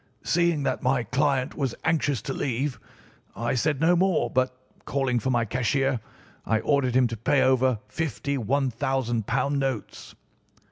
"Seeing that my client was anxious to leave, I said no more but, calling for my cashier, I ordered him to pay over fifty £ 1000 notes.